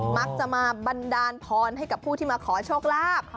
มักจะมาบันดาลพรให้กับผู้ที่มาขอโชคลาภ